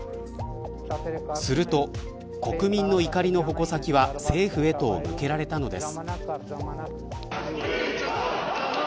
すると、国民の怒りの矛先は政府へと向けられたのです。